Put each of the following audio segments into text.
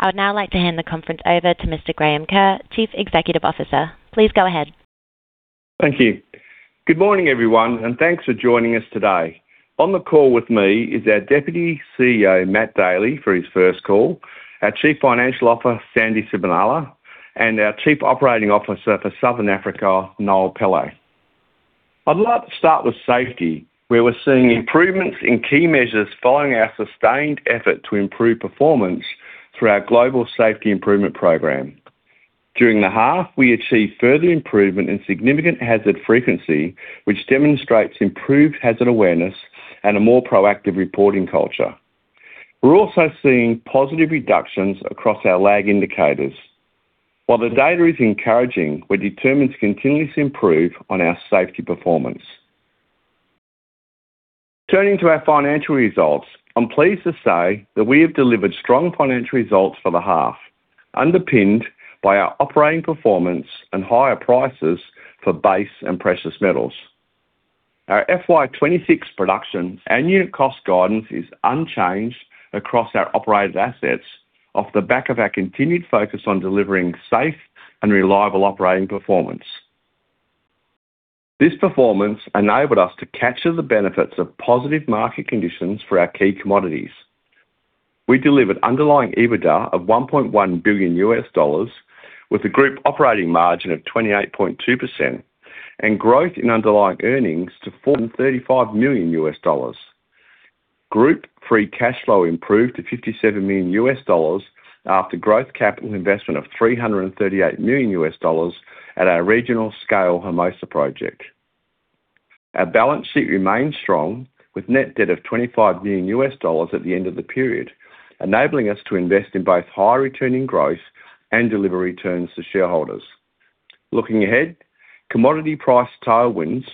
I would now like to hand the conference over to Mr. Graham Kerr, Chief Executive Officer. Please go ahead. Thank you. Good morning, everyone, and thanks for joining us today. On the call with me is our Deputy CEO, Matt Daley, for his first call, our Chief Financial Officer, Sandy Sibenaler, and our Chief Operating Officer for Southern Africa, Noel Pillay. I'd like to start with safety, where we're seeing improvements in key measures following our sustained effort to improve performance through our global safety improvement program. During the half, we achieved further improvement in significant hazard frequency, which demonstrates improved hazard awareness and a more proactive reporting culture. We're also seeing positive reductions across our lag indicators. While the data is encouraging, we're determined to continuously improve on our safety performance. Turning to our financial results, I'm pleased to say that we have delivered strong financial results for the half, underpinned by our operating performance and higher prices for base and precious metals. Our FY 2026 production and unit cost guidance is unchanged across our operated assets off the back of our continued focus on delivering safe and reliable operating performance. This performance enabled us to capture the benefits of positive market conditions for our key commodities. We delivered underlying EBITDA of $1.1 billion, with a group operating margin of 28.2% and growth in underlying earnings to $45 million. Group free cash flow improved to $57 million after growth capital investment of $338 million at our regional scale Hermosa project. Our balance sheet remains strong, with net debt of $25 million at the end of the period, enabling us to invest in both high returning growth and deliver returns to shareholders. Looking ahead, commodity price tailwinds,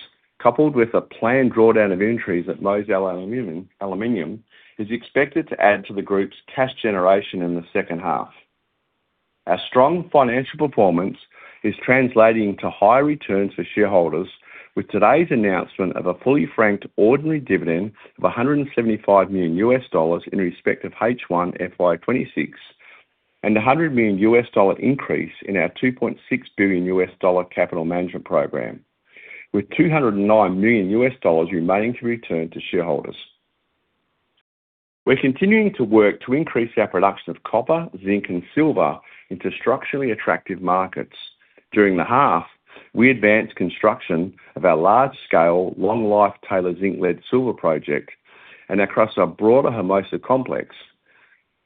coupled with a planned drawdown of inventories at Mozal Aluminium, Aluminium, is expected to add to the group's cash generation in the second half. Our strong financial performance is translating to higher returns for shareholders, with today's announcement of a fully franked ordinary dividend of $175 million in respect of H1 FY2026, and a $100 million increase in our $2.6 billion capital management program, with $209 million remaining to be returned to shareholders. We're continuing to work to increase our production of copper, zinc, and silver into structurally attractive markets. During the half, we advanced construction of our large-scale, long-life Taylor zinc-lead-silver project, and across our broader Hermosa complex.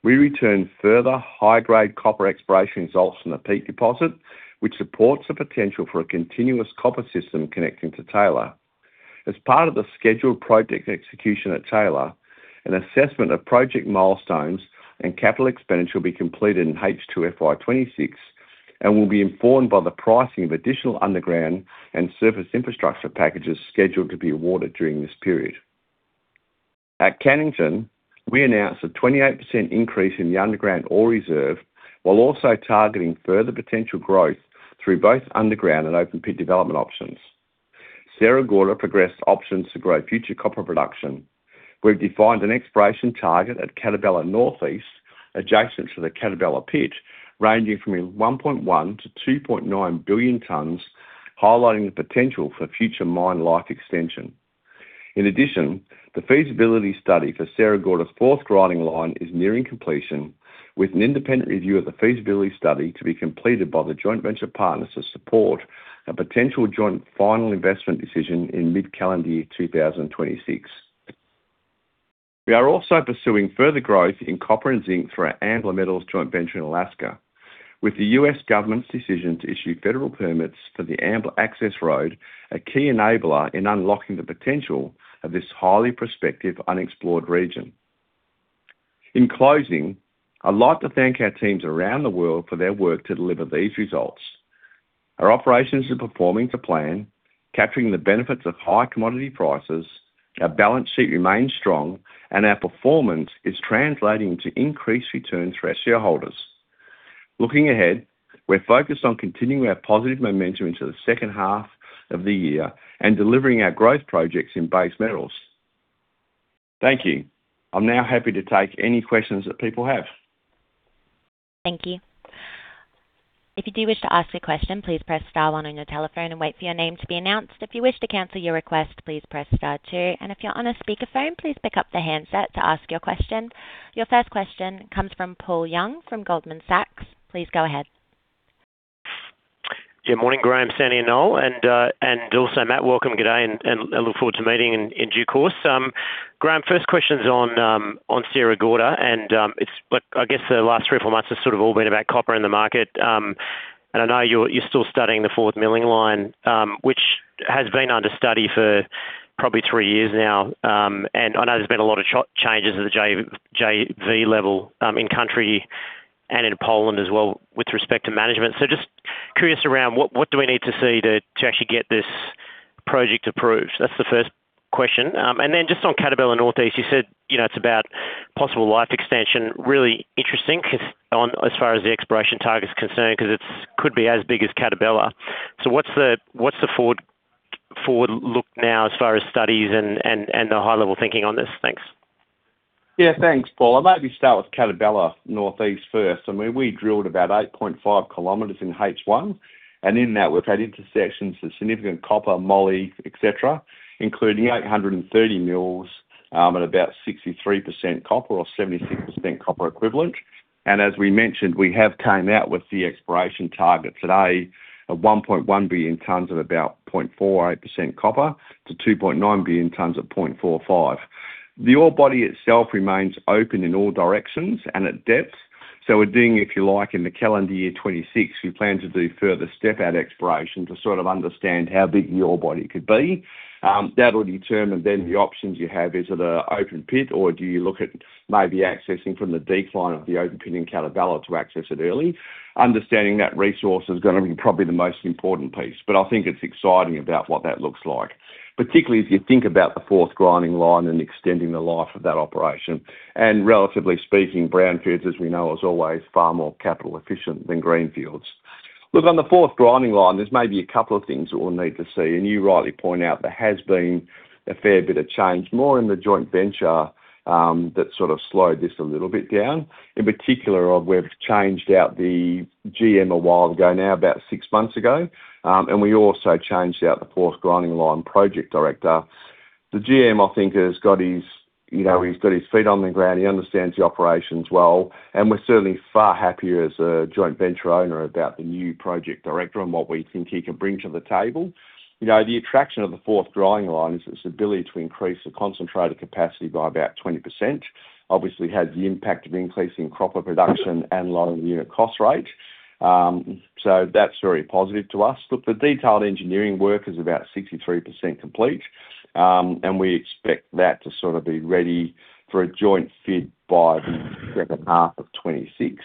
We returned further high-grade copper exploration results from the Peake deposit, which supports the potential for a continuous copper system connecting to Taylor. As part of the scheduled project execution at Taylor, an assessment of project milestones and capital expenditure will be completed in H2 FY 2026, and will be informed by the pricing of additional underground and surface infrastructure packages scheduled to be awarded during this period. At Cannington, we announced a 28% increase in the underground ore reserve, while also targeting further potential growth through both underground and open pit development options. Sierra Gorda progressed options to grow future copper production. We've defined an exploration target at Catabela Northeast, adjacent to the Catabela pit, ranging from 1.1-2.9 billion tons, highlighting the potential for future mine life extension. In addition, the feasibility study for Sierra Gorda's fourth grinding line is nearing completion, with an independent review of the feasibility study to be completed by the joint venture partners to support a potential joint final investment decision in mid-calendar year 2026. We are also pursuing further growth in copper and zinc through our Ambler Metals joint venture in Alaska with the U.S. government's decision to issue federal permits for the Ambler Access Road, a key enabler in unlocking the potential of this highly prospective, unexplored region. In closing, I'd like to thank our teams around the world for their work to deliver these results. Our operations are performing to plan, capturing the benefits of high commodity prices. Our balance sheet remains strong, and our performance is translating to increased returns for our shareholders. Looking ahead, we're focused on continuing our positive momentum into the second half of the year and delivering our growth projects in base metals. Thank you. I'm now happy to take any questions that people have. Thank you. If you do wish to ask a question, please press star one on your telephone and wait for your name to be announced. If you wish to cancel your request, please press star two, and if you're on a speakerphone, please pick up the handset to ask your question. Your first question comes from Paul Young, from Goldman Sachs. Please go ahead. Good morning, Graham, Sandy, and Noel, and also Matt, welcome, good day, and I look forward to meeting in due course. Graham, first question is on Sierra Gorda, and but I guess the last three or four months has sort of all been about copper in the market, and I know you're still studying the fourth milling line, which has been under study for probably three years now. And I know there's been a lot of changes at the JV level, in country and in Poland as well with respect to management. So just curious around what do we need to see to actually get this project approved? That's the first question. And then just on Catabela Northeast, you said, you know, it's about possible life extension. Really interesting, 'cause on, as far as the exploration target is concerned, 'cause it could be as big as Catabela. So what's the forward look now as far as studies and the high-level thinking on this. Thanks. Yeah, thanks, Paul. I might maybe start with Catabela Northeast first. I mean, we drilled about 8.5 kilometers in H1, and in that, we've had intersections of significant copper, moly, et cetera, including 830 m at about 63% copper or 76% copper equivalent. And as we mentioned, we have come out with the exploration target today at 1.1 billion tons of about 0.48% copper to 2.9 billion tons of 0.45. The ore body itself remains open in all directions and at depth. So we're doing, if you like, in the calendar year 2026, we plan to do further step-out exploration to sort of understand how big the ore body could be. That will determine then the options you have. Is it an open pit, or do you look at maybe accessing from the decline of the open pit in Catabela to access it early? Understanding that resource is gonna be probably the most important piece, but I think it's exciting about what that looks like, particularly as you think about the fourth grinding line and extending the life of that operation. And relatively speaking, brownfields, as we know, is always far more capital efficient than greenfields. Look, on the fourth grinding line, there's maybe a couple of things that we'll need to see. And you rightly point out, there has been a fair bit of change, more in the joint venture, that sort of slowed this a little bit down. In particular, we've changed out the GM a while ago, now, about six months ago, and we also changed out the fourth grinding line project director. The GM, I think, has got his, you know, he's got his feet on the ground. He understands the operations well, and we're certainly far happier as a joint venture owner about the new project director and what we think he can bring to the table. You know, the attraction of the Fourth Grinding Line is its ability to increase the concentrate capacity by about 20%. Obviously, has the impact of increasing copper production and lower unit cost rate. So that's very positive to us. But the detailed engineering work is about 63% complete, and we expect that to sort of be ready for a joint FID by the second half of 2026.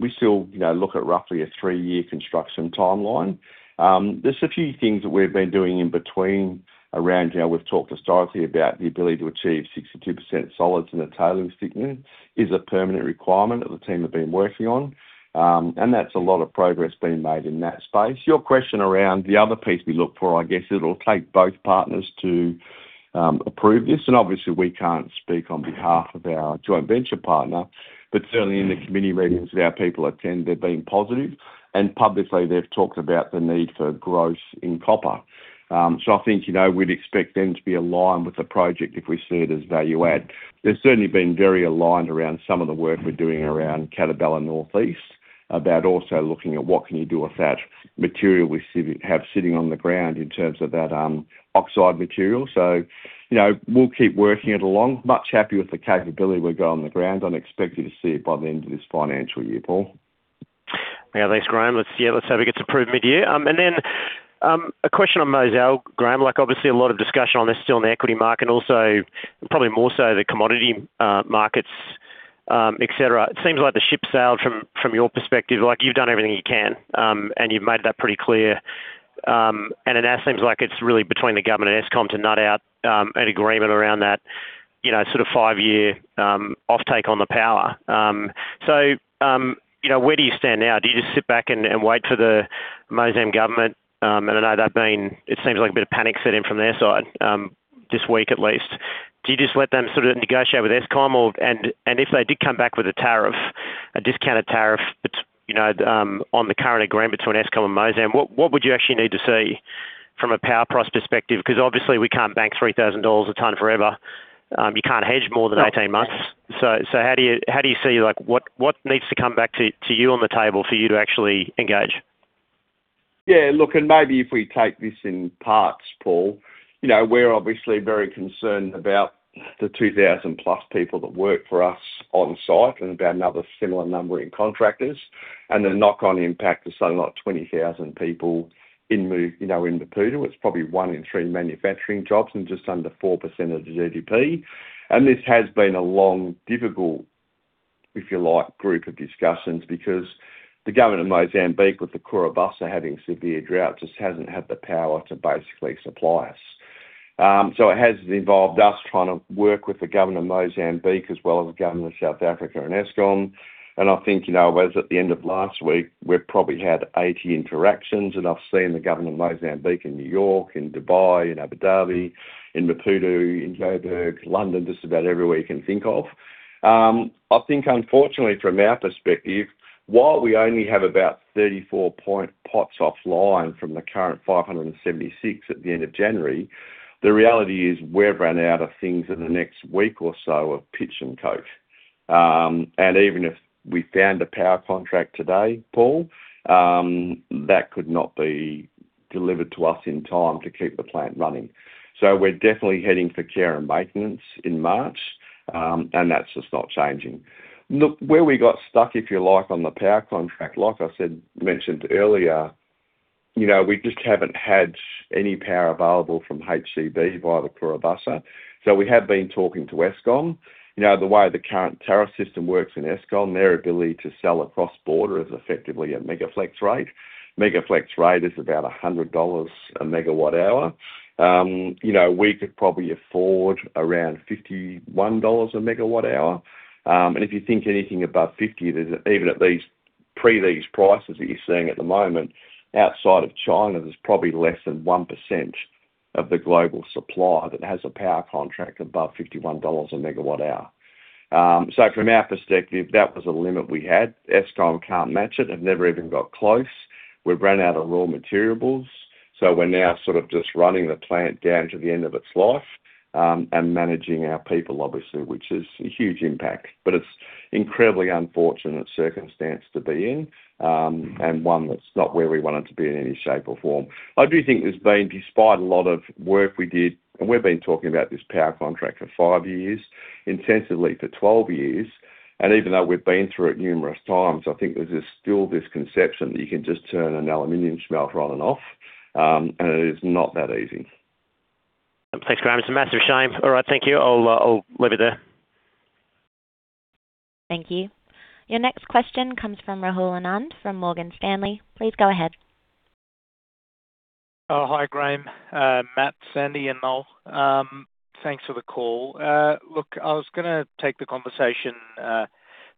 We still, you know, look at roughly a 3-year construction timeline. There's a few things that we've been doing in between around here. We've talked historically about the ability to achieve 62% solids in a tailings thickener is a permanent requirement that the team have been working on, and that's a lot of progress being made in that space. Your question around the other piece we look for, I guess, it'll take both partners to, approve this, and obviously, we can't speak on behalf of our joint venture partner, but certainly in the committee meetings that our people attend, they're being positive, and publicly, they've talked about the need for growth in copper. So I think, you know, we'd expect them to be aligned with the project if we see it as value add. They've certainly been very aligned around some of the work we're doing around Catabela Northeast, about also looking at what can you do with that material we have sitting on the ground in terms of that oxide material. So, you know, we'll keep working it along. Much happy with the capability we've got on the ground. I'm expecting to see it by the end of this financial year, Paul. Yeah, thanks, Graham. Let's, yeah, let's hope it gets approved mid-year. And then, a question on Mozal, Graham. Like, obviously, a lot of discussion on this still in the equity market and also probably more so the commodity markets, et cetera. It seems like the ship sailed from, from your perspective, like, you've done everything you can, and you've made that pretty clear. And it now seems like it's really between the government and Eskom to nut out, an agreement around that, you know, sort of five-year, offtake on the power. So, you know, where do you stand now? Do you just sit back and, and wait for the Mozambique government, and I know they've been it seems like a bit of panic set in from their side, this week at least. Do you just let them sort of negotiate with Eskom, and if they did come back with a tariff, a discounted tariff, you know, on the current agreement between Eskom and Mozambique, what would you actually need to see from a power price perspective? Because obviously, we can't bank $3,000 a ton forever. You can't hedge more than 18 months. So how do you see, like, what needs to come back to you on the table for you to actually engage? Yeah, look, and maybe if we take this in parts, Paul, you know, we're obviously very concerned about the 2,000+ people that work for us on-site and about another similar number in contractors, and the knock-on impact to so like 20,000 people in, you know, in Maputo. It's probably one in three manufacturing jobs and just under 4% of the GDP. And this has been a long, difficult, if you like, group of discussions because the government of Mozambique, with the Cahora Bassa having severe drought, just hasn't had the power to basically supply us. So it has involved us trying to work with the government of Mozambique, as well as the government of South Africa and Eskom. I think, you know, as at the end of last week, we've probably had 80 interactions, and I've seen the government of Mozambique in New York, in Dubai, in Abu Dhabi, in Maputo, in Joburg, London, just about everywhere you can think of. I think unfortunately, from our perspective, while we only have about 34 pots offline from the current 576 at the end of January, the reality is, we've run out of things in the next week or so of pitch and coke. And even if we found a power contract today, Paul, that could not be delivered to us in time to keep the plant running. So we're definitely heading for care and maintenance in March, and that's just not changing. Look, where we got stuck, if you like, on the power contract, like I said, mentioned earlier, you know, we just haven't had any power available from HCB via the Cahora Bassa. So we have been talking to Eskom. You know, the way the current tariff system works in Eskom, their ability to sell across border is effectively a Megaflex rate. Megaflex rate is about $100/MWh. You know, we could probably afford around $51/MWh. And if you think anything above $50, pre these prices that you're seeing at the moment, outside of China, there's probably less than 1% of the global supply that has a power contract above $51/MWh. So from our perspective, that was a limit we had. Eskom can't match it, have never even got close. We've ran out of raw materials, so we're now sort of just running the plant down to the end of its life, and managing our people, obviously, which is a huge impact. But it's incredibly unfortunate circumstance to be in, and one that's not where we wanted to be in any shape or form. I do think there's been, despite a lot of work we did, and we've been talking about this power contract for five years, intensively for 12 years, and even though we've been through it numerous times, I think there's still this conception that you can just turn an aluminum smelter on and off, and it is not that easy. Thanks, Graham. It's a massive shame. All right, thank you. I'll, I'll leave it there. Thank you. Your next question comes from Rahul Anand, from Morgan Stanley. Please go ahead. Hi, Graham, Matt, Sandy, and Noel. Thanks for the call. Look, I was gonna take the conversation,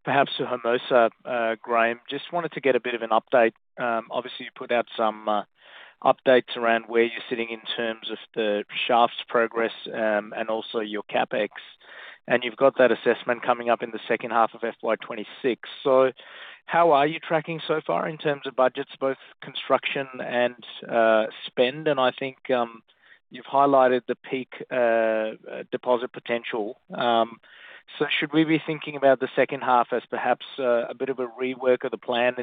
perhaps to Hermosa, Graham. Just wanted to get a bit of an update. Obviously, you put out some updates around where you're sitting in terms of the shaft's progress, and also your CapEx, and you've got that assessment coming up in the second half of FY 2026. So how are you tracking so far in terms of budgets, both construction and spend? And I think, you've highlighted the Peak deposit potential. So should we be thinking about the second half as perhaps a bit of a rework of the plan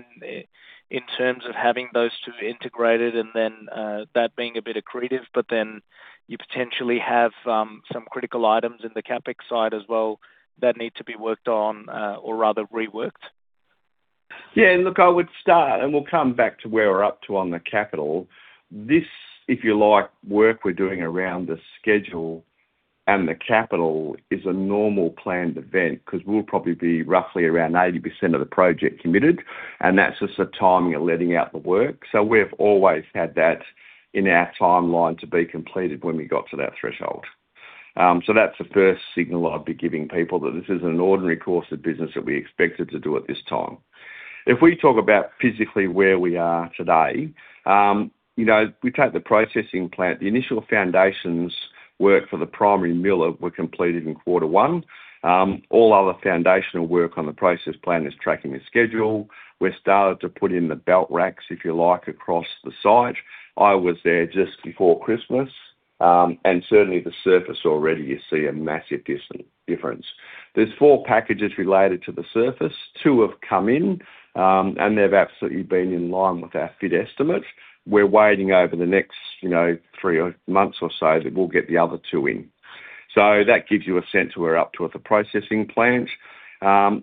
in terms of having those two integrated and then that being a bit accretive, but then you potentially have some critical items in the CapEx side as well that need to be worked on or rather reworked? Yeah, look, I would start, and we'll come back to where we're up to on the capital. This, if you like, work we're doing around the schedule and the capital is a normal planned event, 'cause we'll probably be roughly around 80% of the project committed, and that's just the timing of letting out the work. So we've always had that in our timeline to be completed when we got to that threshold. So that's the first signal I'd be giving people, that this is an ordinary course of business that we expected to do at this time. If we talk about physically where we are today, you know, we take the processing plant. The initial foundations work for the primary miller were completed in quarter one. All other foundational work on the processing plant is tracking the schedule. We've started to put in the belt racks, if you like, across the site. I was there just before Christmas, and certainly the surface already, you see a massive difference. There's four packages related to the surface. Two have come in, and they've absolutely been in line with our fit estimates. We're waiting over the next, you know, three months or so, that we'll get the other two in. So that gives you a sense of where we're up to with the processing plant.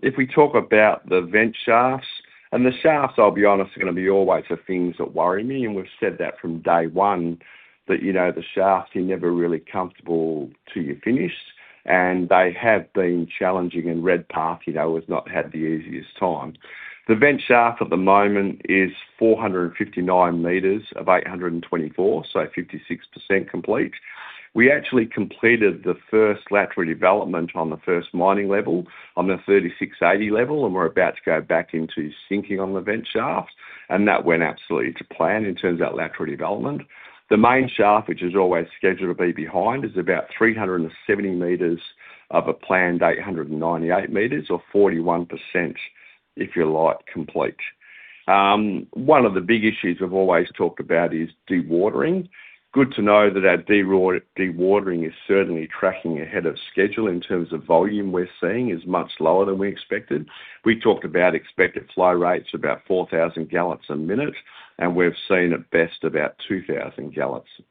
If we talk about the vent shafts, and the shafts, I'll be honest, are gonna be always the things that worry me, and we've said that from day one, that, you know, the shafts, you're never really comfortable till you're finished, and they have been challenging, and Redpath, you know, has not had the easiest time. The vent shaft at the moment is 459 meters of 824, so 56% complete. We actually completed the first lateral development on the first mining level, on the 3,680 level, and we're about to go back into sinking on the vent shaft, and that went absolutely to plan in terms of that lateral development. The main shaft, which is always scheduled to be behind, is about 370 meters of a planned 898 meters, or 41%, if you like, complete. One of the big issues we've always talked about is dewatering. Good to know that our dewatering is certainly tracking ahead of schedule. In terms of volume, we're seeing is much lower than we expected. We talked about expected flow rates, about 4,000 gallons a minute, and we've seen at best about 2,000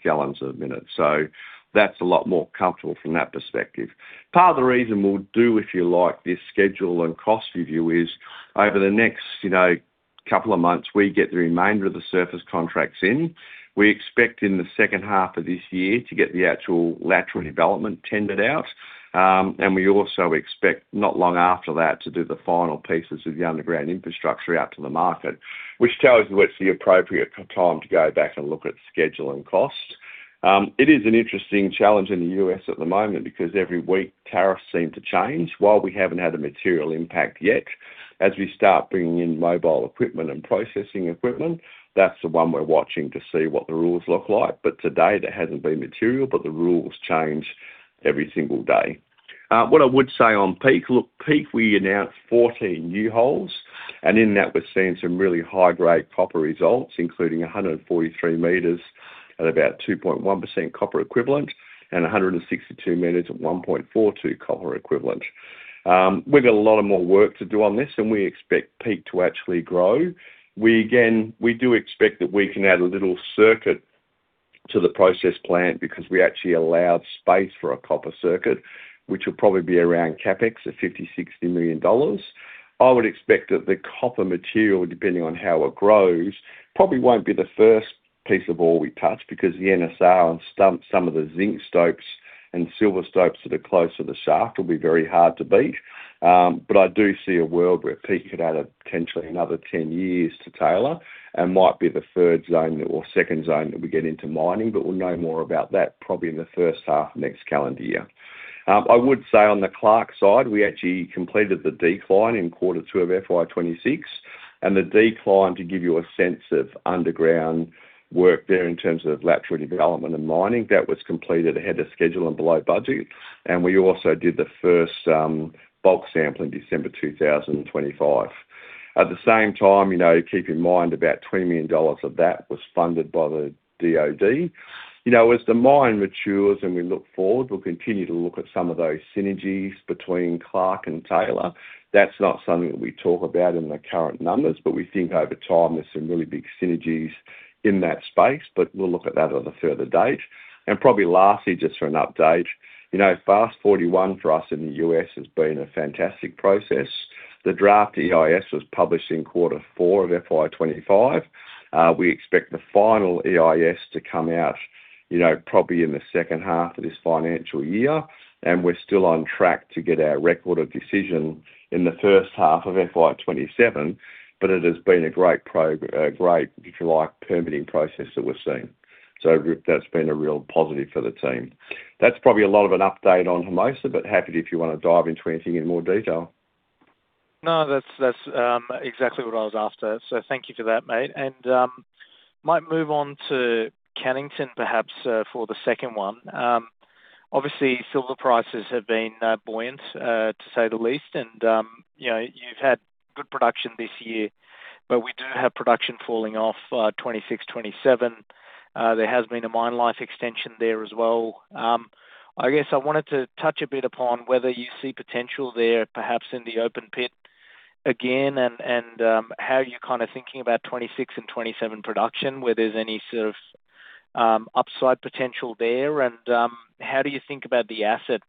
gallons a minute. So that's a lot more comfortable from that perspective. Part of the reason we'll do, if you like, this schedule and cost review is over the next, you know, couple of months, we get the remainder of the surface contracts in. We expect in the second half of this year to get the actual lateral development tendered out, and we also expect, not long after that, to do the final pieces of the underground infrastructure out to the market, which tells you it's the appropriate time to go back and look at schedule and cost. It is an interesting challenge in the US at the moment because every week, tariffs seem to change. While we haven't had a material impact yet, as we start bringing in mobile equipment and processing equipment, that's the one we're watching to see what the rules look like. But today, there hasn't been material, but the rules change every single day. What I would say on Peak, look, Peak, we announced 14 new holes, and in that, we're seeing some really high-grade copper results, including 143 meters at about 2.1% copper equivalent and 162 meters at 1.42 copper equivalent. We've got a lot of more work to do on this, and we expect Peak to actually grow. We, again, we do expect that we can add a little circuit to the process plant because we actually allowed space for a copper circuit, which will probably be around CapEx of $50 to $60 million. I would expect that the copper material, depending on how it grows, probably won't be the first piece of ore we touch, because the NSR and some of the zinc stopes and silver stopes that are close to the shaft will be very hard to beat. But I do see a world where Peak could add potentially another 10 years to Taylor and might be the third zone or second zone that we get into mining, but we'll know more about that probably in the first half, next calendar year. I would say on the Clark side, we actually completed the decline in quarter two of FY 2026, and the decline, to give you a sense of underground work there in terms of lateral development and mining, that was completed ahead of schedule and below budget, and we also did the first bulk sample in December 2025. At the same time, you know, keep in mind, about $20 million of that was funded by the DoD. You know, as the mine matures and we look forward, we'll continue to look at some of those synergies between Clark and Taylor. That's not something that we talk about in the current numbers, but we think over time, there's some really big synergies in that space, but we'll look at that at a further date. And probably lastly, just for an update, you know, FAST-41 for us in the U.S. has been a fantastic process. The draft EIS was published in quarter four of FY 2025. We expect the final EIS to come out, you know, probably in the second half of this financial year, and we're still on track to get our record of decision in the first half of FY 2027, but it has been a great, if you like, permitting process that we're seeing. That's been a real positive for the team. That's probably a lot of an update on Hermosa, but happy if you wanna dive into anything in more detail. No, that's exactly what I was after. So thank you for that, mate. And might move on to Cannington, perhaps, for the second one. Obviously, silver prices have been buoyant, to say the least, and you know, you've had good production this year, but we do have production falling off 2026, 2027. There has been a mine life extension there as well. I guess I wanted to touch a bit upon whether you see potential there, perhaps in the open pit again, and how you're kind of thinking about 2026 and 2027 production, where there's any sort of upside potential there. And how do you think about the asset,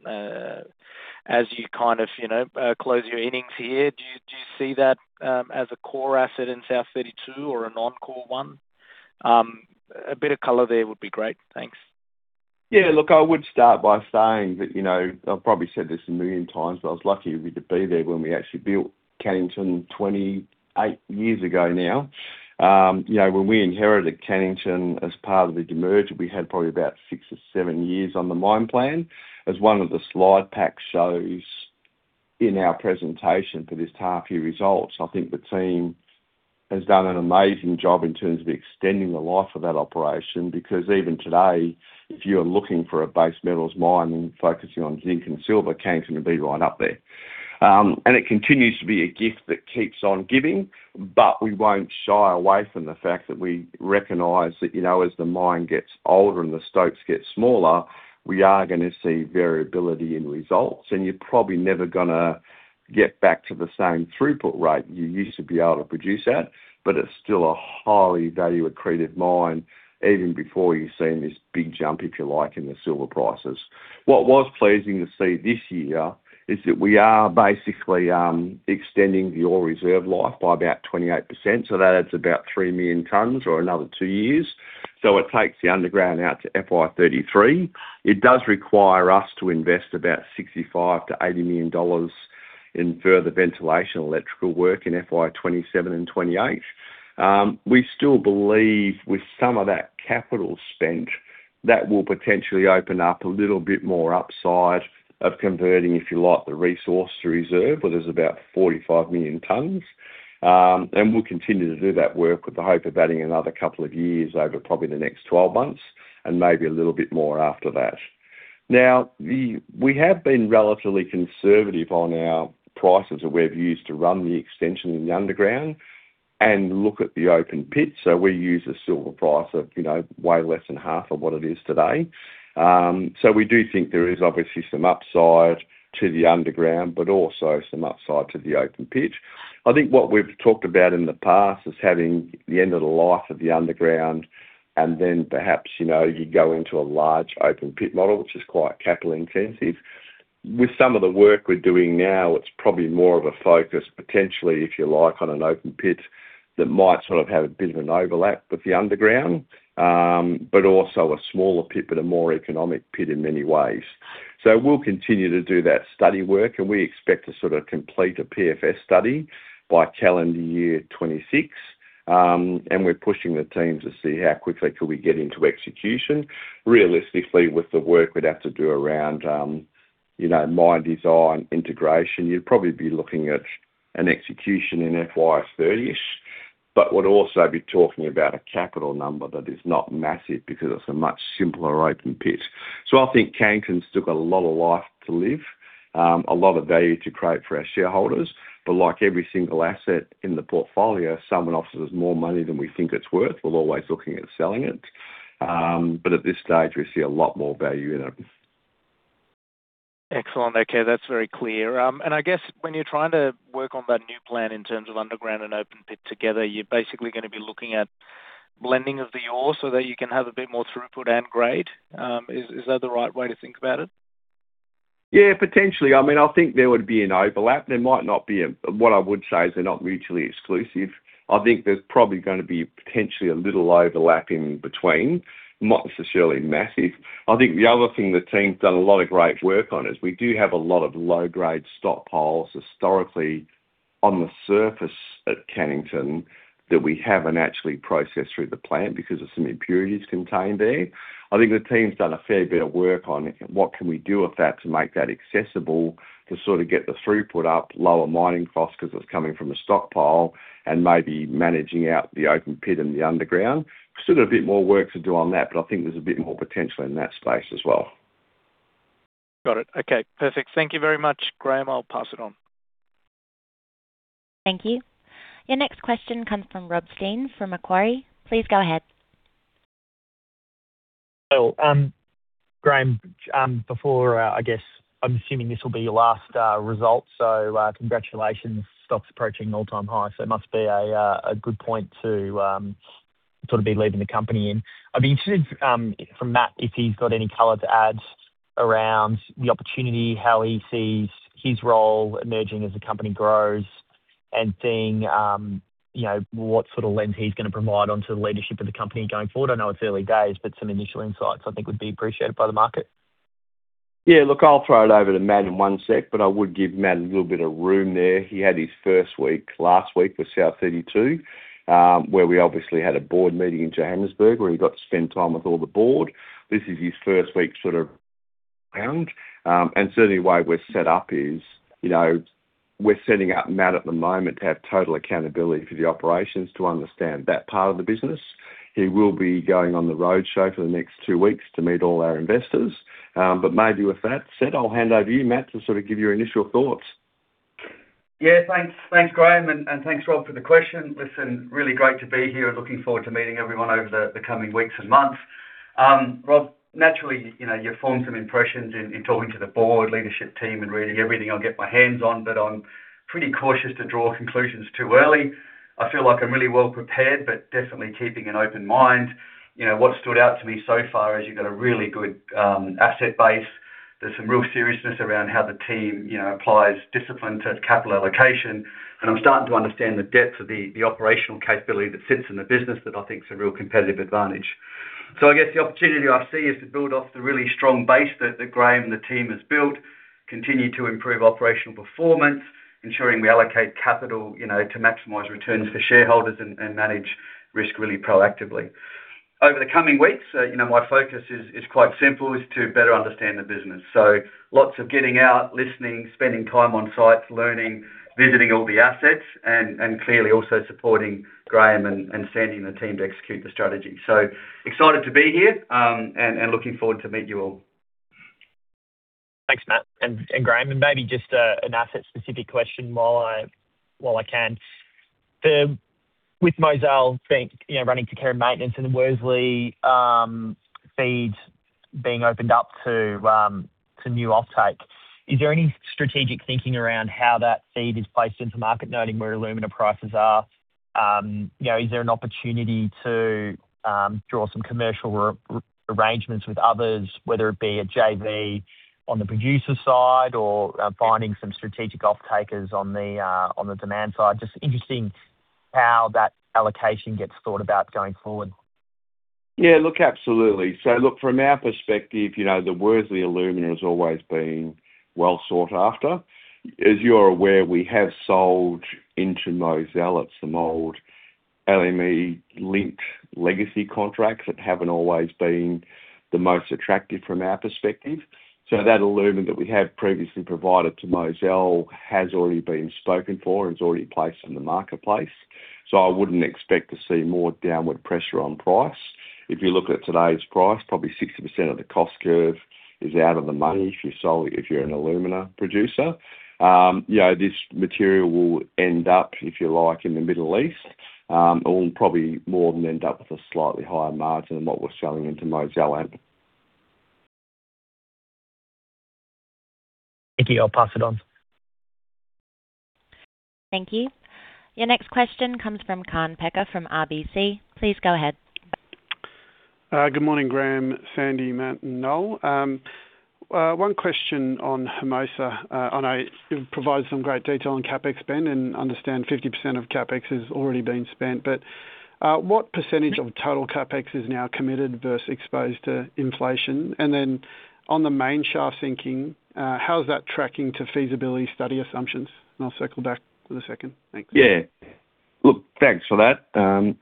as you kind of you know close your innings here? Do you, do you see that as a core asset in South32 or a non-core one? A bit of color there would be great. Thanks. Yeah, look, I would start by saying that, you know, I've probably said this a million times, but I was lucky we could be there when we actually built Cannington 28 years ago now. You know, when we inherited Cannington as part of the demerger, we had probably about six or seven years on the mine plan. As one of the slide pack shows in our presentation for this half year results, I think the team has done an amazing job in terms of extending the life of that operation, because even today, if you are looking for a base metals mine and focusing on zinc and silver, Cannington will be right up there. And it continues to be a gift that keeps on giving, but we won't shy away from the fact that we recognize that, you know, as the mine gets older and the stopes get smaller, we are gonna see variability in results, and you're probably never gonna get back to the same throughput rate you used to be able to produce at, but it's still a highly value accreted mine even before you've seen this big jump, if you like, in the silver prices. What was pleasing to see this year is that we are basically extending the ore reserve life by about 28%, so that adds about three million tons or another two years. So it takes the underground out to FY 2033. It does require us to invest about $65 million to $80 million in further ventilation, electrical work in FY 2027 and 2028. We still believe with some of that capital spent, that will potentially open up a little bit more upside of converting, if you like, the resource to reserve, where there's about 45 million tons. And we'll continue to do that work with the hope of adding another couple of years over probably the next 12 months, and maybe a little bit more after that. Now, we have been relatively conservative on our prices that we've used to run the extension in the underground and look at the open pit. So we use a silver price of, you know, way less than half of what it is today. So we do think there is obviously some upside to the underground, but also some upside to the open pit. I think what we've talked about in the past is having the end of the life of the underground, and then perhaps, you know, you go into a large open pit model, which is quite capital intensive. With some of the work we're doing now, it's probably more of a focus, potentially, if you like, on an open pit that might sort of have a bit of an overlap with the underground, but also a smaller pit, but a more economic pit in many ways. So we'll continue to do that study work, and we expect to sort of complete a PFS study by calendar year 2026. And we're pushing the team to see how quickly could we get into execution. Realistically, with the work we'd have to do around, you know, mine design, integration, you'd probably be looking at an execution in FY 30-ish, but would also be talking about a capital number that is not massive because it's a much simpler open pit. So I think Cannington's still got a lot of life to live, a lot of value to create for our shareholders. But like every single asset in the portfolio, someone offers us more money than we think it's worth, we're always looking at selling it. But at this stage, we see a lot more value in it. Excellent. Okay, that's very clear. And I guess when you're trying to work on that new plan in terms of underground and open pit together, you're basically gonna be looking at blending of the ore so that you can have a bit more throughput and grade. Is that the right way to think about it? Yeah, potentially. I mean, I think there would be an overlap. There might not be a what I would say is they're not mutually exclusive. I think there's probably gonna be potentially a little overlap in between, not necessarily massive. I think the other thing the team's done a lot of great work on is, we do have a lot of low-grade stockpiles historically on the surface at Cannington that we haven't actually processed through the plant because of some impurities contained there. I think the team's done a fair bit of work on it, what can we do with that to make that accessible, to sort of get the throughput up, lower mining costs, 'cause it's coming from a stockpile, and maybe managing out the open pit and the underground? Still a bit more work to do on that, but I think there's a bit more potential in that space as well. Got it. Okay, perfect. Thank you very much, Graham. I'll pass it on. Thank you. Your next question comes from Rob Stein, from Macquarie. Please go ahead. Well, Graham, before, I guess, I'm assuming this will be your last result, so, congratulations. Stock's approaching an all-time high, so it must be a good point to sort of be leaving the company in. I'd be interested, from Matt, if he's got any color to add around the opportunity, how he sees his role emerging as the company grows, and seeing, you know, what sort of lens he's gonna provide onto the leadership of the company going forward. I know it's early days, but some initial insights I think would be appreciated by the market. Yeah, look, I'll throw it over to Matt in one sec, but I would give Matt a little bit of room there. He had his first week, last week with South32, where we obviously had a board meeting in Johannesburg, where he got to spend time with all the board. This is his first week, sort of, around. And certainly, the way we're set up is, you know, we're setting up Matt at the moment to have total accountability for the operations, to understand that part of the business. He will be going on the roadshow for the next two weeks to meet all our investors. But maybe with that said, I'll hand over to you, Matt, to sort of give your initial thoughts. Yeah, thanks. Thanks, Graham, and thanks, Rob, for the question. Listen, really great to be here and looking forward to meeting everyone over the coming weeks and months. Rob, naturally, you know, you form some impressions in talking to the board, leadership team, and reading everything I'll get my hands on, but I'm pretty cautious to draw conclusions too early. I feel like I'm really well prepared, but definitely keeping an open mind. You know, what stood out to me so far is you've got a really good asset base. There's some real seriousness around how the team, you know, applies discipline to capital allocation, and I'm starting to understand the depth of the operational capability that sits in the business that I think is a real competitive advantage. So I guess the opportunity I see is to build off the really strong base that Graham and the team has built, continue to improve operational performance, ensuring we allocate capital, you know, to maximize returns for shareholders and manage risk really proactively. Over the coming weeks, you know, my focus is quite simple, is to better understand the business. So lots of getting out, listening, spending time on site, learning, visiting all the assets, and clearly also supporting Graham and Sandy and the team to execute the strategy. So excited to be here, and looking forward to meet you all. Thanks, Matt and Graham. And maybe just an asset-specific question while I can. With Mozal being, you know, running to care and maintenance, and the Worsley feed being opened up to new offtake, is there any strategic thinking around how that feed is priced into market, noting where alumina prices are? You know, is there an opportunity to draw some commercial rearrangements with others, whether it be a JV on the producer side or finding some strategic offtakers on the demand side? Just interesting how that allocation gets thought about going forward. Yeah, look, absolutely. So look, from our perspective, you know, the Worsley Alumina has always been well sought after. As you're aware, we have sold into Mozal. It's some old LME-linked legacy contracts that haven't always been the most attractive from our perspective. So that alumina that we have previously provided to Mozal has already been spoken for and is already placed in the marketplace. So I wouldn't expect to see more downward pressure on price. If you look at today's price, probably 60% of the cost curve is out of the money if you sold it, if you're an alumina producer. You know, this material will end up, if you like, in the Middle East, or probably more than end up with a slightly higher margin than what we're selling into Mozal at. Thank you. I'll pass it on. Thank you. Your next question comes from Kaan Peker from RBC. Please go ahead. Good morning, Graham, Sandy, Matt, and Noel. One question on Hermosa. I know you've provided some great detail on CapEx spend, and understand 50% of CapEx has already been spent, but what percentage of total CapEx is now committed versus exposed to inflation? And then on the main shaft sinking, how is that tracking to feasibility study assumptions? And I'll circle back in a second. Thanks. Yeah. Look, thanks for that.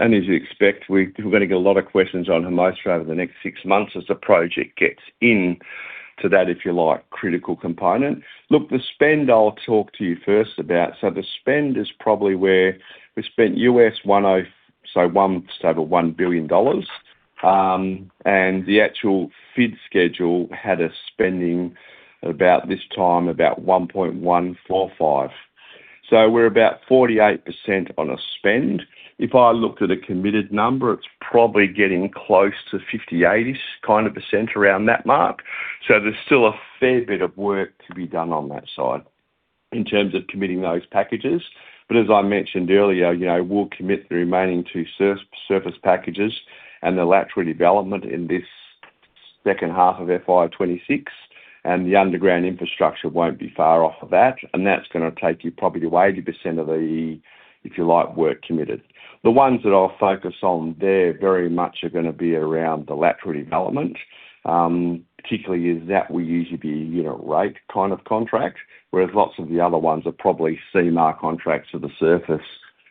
As you expect, we're gonna get a lot of questions on Hermosa over the next six months as the project gets into that, if you like, critical component. Look, the spend, I'll talk to you first about. The spend is probably where we spent $1.0, so $1 just over $1 billion, and the actual feed schedule had us spending about this time, about $1.145. We're about 48% on a spend. If I looked at a committed number, it's probably getting close to 58%ish kind of percent around that mark. There's still a fair bit of work to be done on that side in terms of committing those packages. As I mentioned earlier, you know, we'll commit the remaining 2 surface packages and the lateral development in this second half of FY 2026, and the underground infrastructure won't be far off of that, and that's gonna take you probably to 80% of the, if you like, work committed. The ones that I'll focus on, they're very much gonna be around the lateral development, particularly that will usually be a unit rate kind of contract, whereas lots of the other ones are probably CMAR contracts to the surface,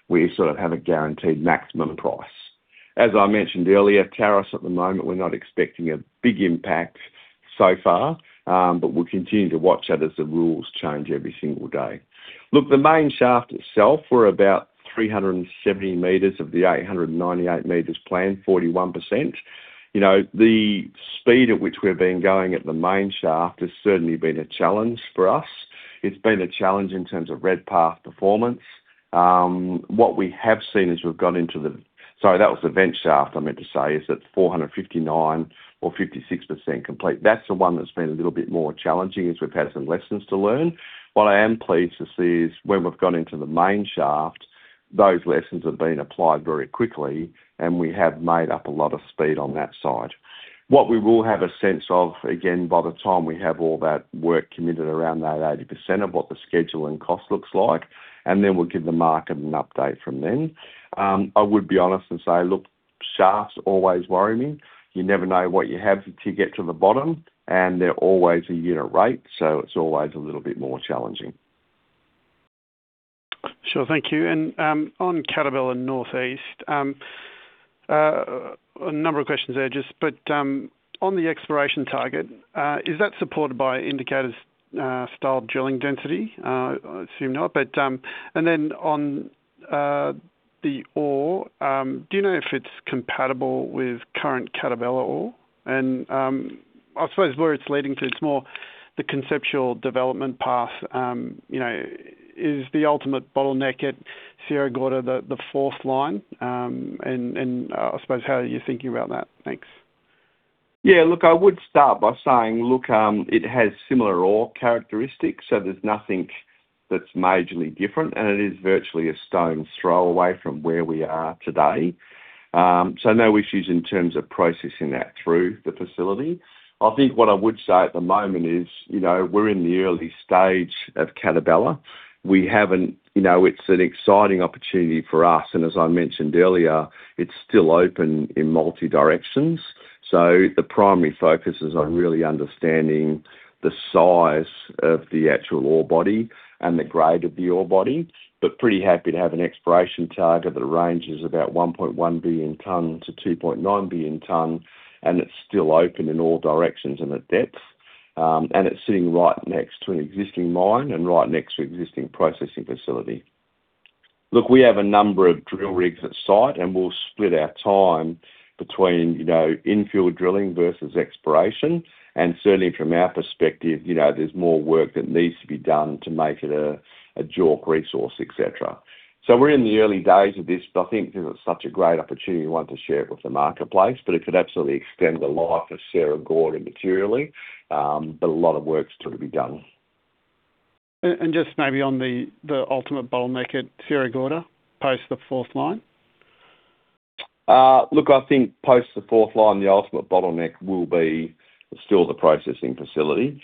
we sort of have a guaranteed maximum price. As I mentioned earlier, tariffs at the moment, we're not expecting a big impact so far, but we'll continue to watch that as the rules change every single day. Look, the main shaft itself, we're about 370 meters of the 898 meters plan, 41%. You know, the speed at which we've been going at the main shaft has certainly been a challenge for us. It's been a challenge in terms of Redpath performance. What we have seen as we've gone into the, sorry, that was the vent shaft, I meant to say, is that 459 or 56% complete. That's the one that's been a little bit more challenging as we've had some lessons to learn. What I am pleased to see is when we've gone into the main shaft, those lessons have been applied very quickly, and we have made up a lot of speed on that side. What we will have a sense of, again, by the time we have all that work committed around that 80% of what the schedule and cost looks like, and then we'll give the market an update from then. I would be honest and say, look, shafts always worry me. You never know what you have till you get to the bottom, and they're always a unit rate, so it's always a little bit more challenging. Sure, thank you. And, on Catabela Northeast, a number of questions there, but on the exploration target, is that supported by indicators, style drilling density? I assume not, but, and then on the ore, do you know if it's compatible with current Catabela ore? And, I suppose where it's leading to, it's more the conceptual development path, you know, is the ultimate bottleneck at Sierra Gorda, the fourth line? And, I suppose, how are you thinking about that? Thanks. Yeah, look, I would start by saying, look, it has similar ore characteristics, so there's nothing that's majorly different, and it is virtually a stone's throw away from where we are today. So no issues in terms of processing that through the facility. I think what I would say at the moment is, you know, we're in the early stage of Catabela. We haven't you know, it's an exciting opportunity for us, and as I mentioned earlier, it's still open in multiple directions. So the primary focus is on really understanding the size of the actual ore body and the grade of the ore body But pretty happy to have an exploration target that ranges about 1.1 billion tonne-2.9 billion tonne, and it's still open in all directions and at depth, and it's sitting right next to an existing mine and right next to existing processing facility. Look, we have a number of drill rigs at site, and we'll split our time between, you know, infill drilling versus exploration, and certainly from our perspective, you know, there's more work that needs to be done to make it a JORC resource, et cetera. We're in the early days of this, but I think this is such a great opportunity, one, to share it with the marketplace, but it could absolutely extend the life of Sierra Gorda materially, but a lot of work's still to be done. And just maybe on the ultimate bottleneck at Sierra Gorda, post the fourth line? Look, I think post the fourth grinding line, the ultimate bottleneck will be still the processing facility.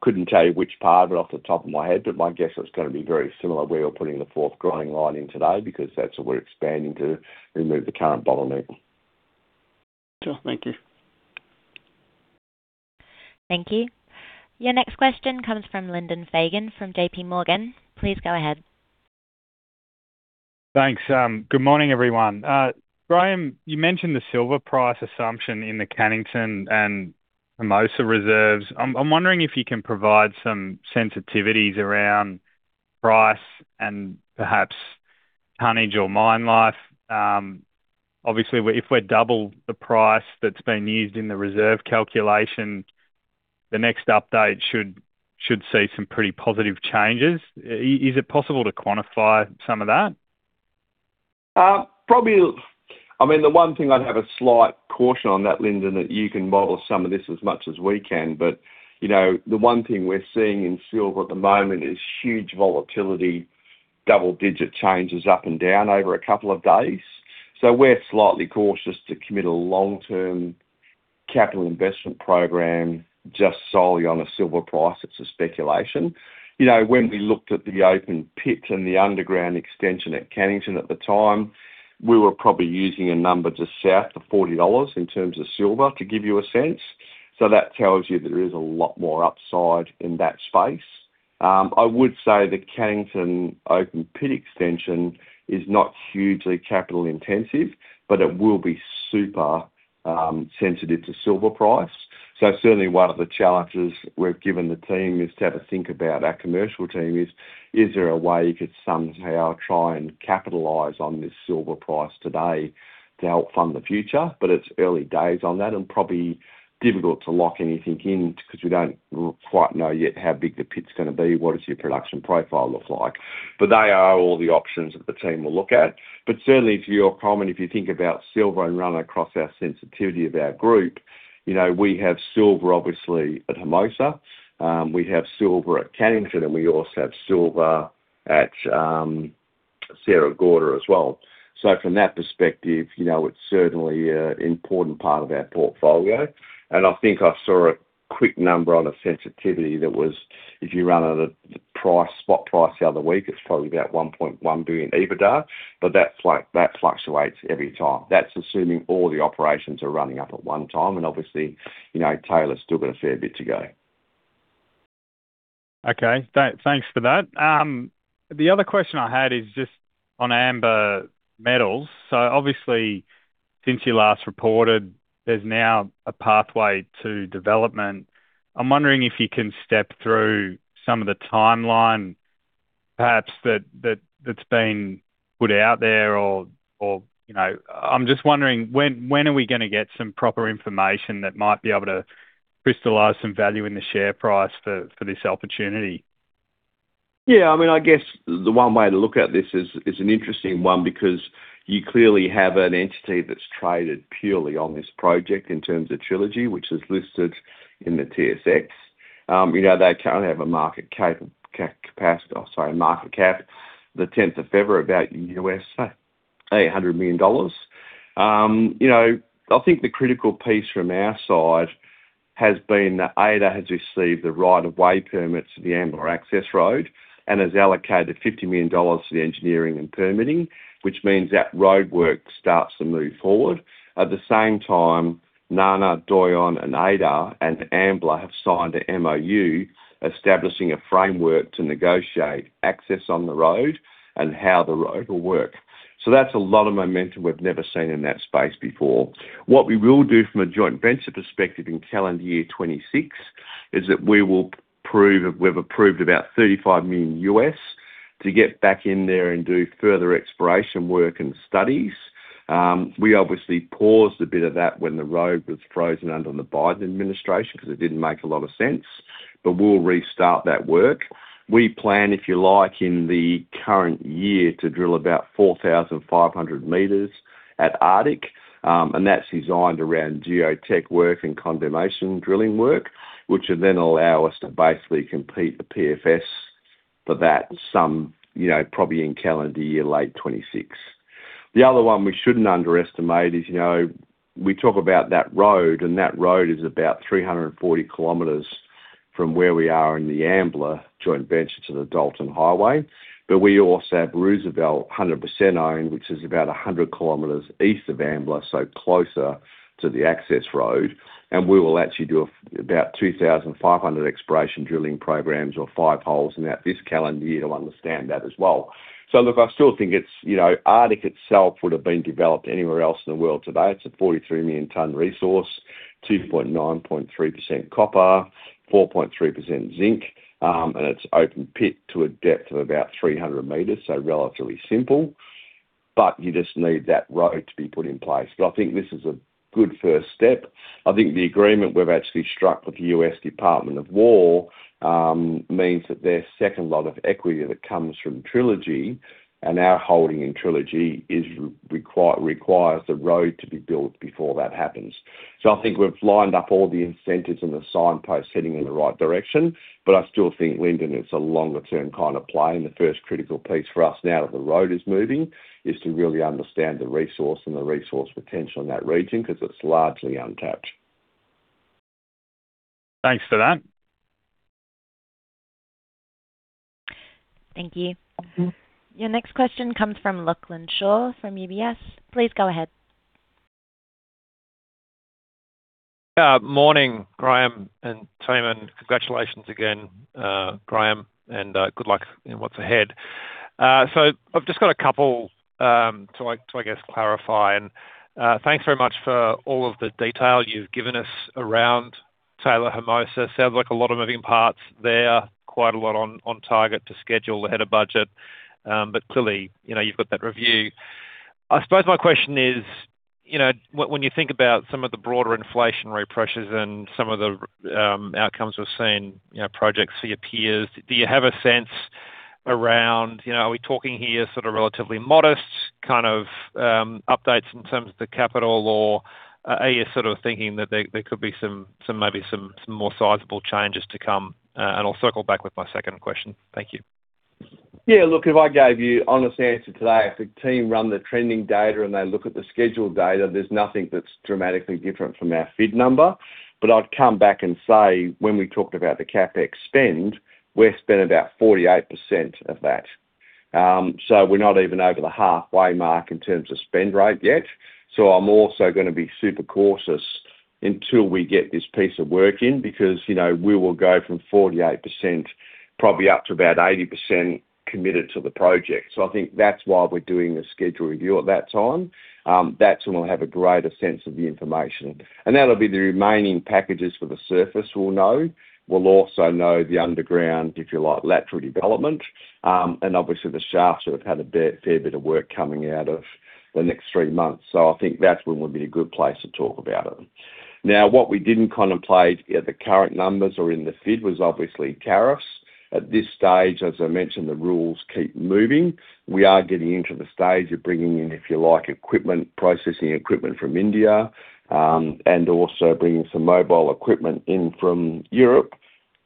Couldn't tell you which part, but off the top of my head, but my guess is gonna be very similar where you're putting the fourth grinding line in today because that's what we're expanding to remove the current bottleneck. Sure. Thank you. Thank you. Your next question comes from Lyndon Fagan, from JP Morgan. Please go ahead. Thanks. Good morning, everyone. Graham, you mentioned the silver price assumption in the Cannington and Hermosa reserves. I'm, I'm wondering if you can provide some sensitivities around price and perhaps tonnage or mine life. Obviously, if we're double the price that's been used in the reserve calculation, the next update should, should see some pretty positive changes. Is it possible to quantify some of that? Probably I mean, the one thing I'd have a slight caution on that, Lyndon, that you can model some of this as much as we can, but, you know, the one thing we're seeing in silver at the moment is huge volatility, double-digit changes up and down over a couple of days. So we're slightly cautious to commit a long-term capital investment program just solely on a silver price. It's a speculation. You know, when we looked at the open pit and the underground extension at Cannington at the time, we were probably using a number just south of $40 in terms of silver, to give you a sense. So that tells you there is a lot more upside in that space. I would say the Cannington open pit extension is not hugely capital intensive, but it will be super, sensitive to silver price. So certainly one of the challenges we've given the team is to have a think about, our commercial team, is: Is there a way you could somehow try and capitalize on this silver price today to help fund the future? But it's early days on that and probably difficult to lock anything in because we don't quite know yet how big the pit's gonna be, what does your production profile look like. But they are all the options that the team will look at. But certainly, to your comment, if you think about silver and run across our sensitivity of our group, you know, we have silver, obviously, at Hermosa, we have silver at Cannington, and we also have silver at, Sierra Gorda as well. So from that perspective, you know, it's certainly an important part of our portfolio, and I think I saw a quick number on a sensitivity that was. If you run at a price, spot price the other week, it's probably about $1.1 billion EBITDA, but that fluctuates every time. That's assuming all the operations are running up at one time, and obviously, you know, Taylor's still got a fair bit to go. Okay, thanks for that. The other question I had is just on Ambler Metals. So obviously, since you last reported, there's now a pathway to development. I'm wondering if you can step through some of the timeline, perhaps, that's been put out there or, you know, I'm just wondering, when are we gonna get some proper information that might be able to crystallize some value in the share price for this opportunity? Yeah, I mean, I guess the one way to look at this is an interesting one, because you clearly have an entity that's traded purely on this project in terms of Trilogy, which is listed in the TSX. You know, they currently have a market cap, the tenth of February, about $800 million. You know, I think the critical piece from our side has been that AIDEA has received the right-of-way permits to the Ambler Access Road and has allocated $50 million to the engineering and permitting, which means that roadwork starts to move forward. At the same time, NANA, Doyon, and AIDEA, and Ambler have signed an MOU, establishing a framework to negotiate access on the road and how the road will work. So that's a lot of momentum we've never seen in that space before. What we will do from a joint venture perspective in calendar year 2026, is that we will prove-- we've approved about $35 million to get back in there and do further exploration work and studies. We obviously paused a bit of that when the road was frozen under the Biden administration because it didn't make a lot of sense, but we'll restart that work. We plan, if you like, in the current year, to drill about 4,500 meters at Arctic, and that's designed around geotech work and condemnation drilling work, which will then allow us to basically complete the PFS for that some, you know, probably in calendar year, late 2026. The other one we shouldn't underestimate is, you know, we talk about that road, and that road is about 340 km from where we are in the Ambler joint venture to the Dalton Highway. But we also have Roosevelt, 100% owned, which is about 100 km east of Ambler, so closer to the access road, and we will actually do a about 2,500 exploration drilling programs or 5 holes in that this calendar year to understand that as well. So look, I still think it's, you know, Arctic itself would have been developed anywhere else in the world today. It's a 43 million ton resource, 2.93% copper, 4.3% zinc, and it's open pit to a depth of about 300 meters, so relatively simple, but you just need that road to be put in place. I think this is a good first step. I think the agreement we've actually struck with the U.S. Department of Defense means that their second lot of equity that comes from Trilogy and our holding in Trilogy requires the road to be built before that happens. So I think we've lined up all the incentives and the signposts heading in the right direction, but I still think Lyndon, it's a longer-term kind of play, and the first critical piece for us now that the road is moving, is to really understand the resource and the resource potential in that region, 'cause it's largely untouched. Thanks for that. Thank you. Your next question comes from Lachlan Shaw, from UBS. Please go ahead. Morning, Graham and team, and congratulations again, Graham, and good luck in what's ahead. So I've just got a couple, to like, to, I guess, clarify. Thanks very much for all of the detail you've given us around Taylor Hermosa. Sounds like a lot of moving parts there, quite a lot on target to schedule ahead of budget, but clearly, you know, you've got that review. I suppose my question is, you know, when you think about some of the broader inflationary pressures and some of the outcomes we've seen, you know, projects for your peers, do you have a sense around you know, are we talking here sort of relatively modest kind of updates in terms of the capital, or are you sort of thinking that there could be some more sizable changes to come? And I'll circle back with my second question. Thank you. Yeah, look, if I gave you honest answer today, if the team run the trending data and they look at the scheduled data, there's nothing that's dramatically different from our FID number. But I'd come back and say, when we talked about the CapEx spend, we've spent about 48% of that. So we're not even over the halfway mark in terms of spend rate yet, so I'm also gonna be super cautious until we get this piece of work in, because, you know, we will go from 48%, probably up to about 80% committed to the project. So I think that's why we're doing a schedule review at that time. That's when we'll have a greater sense of the information. And that'll be the remaining packages for the surface. We'll know. We'll also know the underground, if you like, lateral development, and obviously, the shafts that have had a fair, fair bit of work coming out of the next three months. So I think that's when would be a good place to talk about it. Now, what we didn't contemplate at the current numbers or in the FID was obviously tariffs. At this stage, as I mentioned, the rules keep moving. We are getting into the stage of bringing in, if you like, equipment, processing equipment from India, and also bringing some mobile equipment in from Europe,